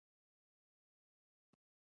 د ژبې یا الفاظو په واسطه کیسه بیانېږي.